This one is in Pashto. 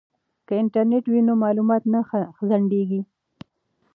که انټرنیټ وي نو معلومات نه ځنډیږي.